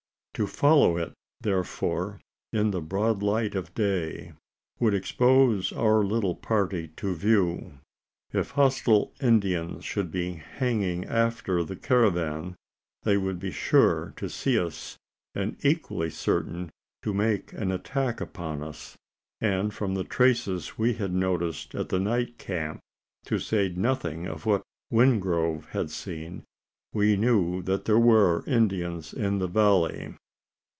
To follow it, therefore, in the broad light of day, would expose our little party to view. If hostile Indians should be hanging after the caravan, they would be sure to see us, and equally certain to make an attack upon us; and from the traces we had noticed at the night camp to say nothing of what Wingrove had seen we knew there were Indians in the valley.